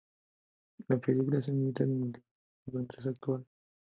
La película se ambienta en el Londres actual.